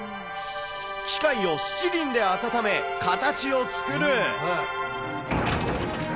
機械を七輪で温め、形を作る。